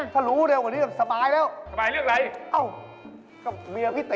ถ้ารู้เร็วกว่านี้ก็สบายแล้ว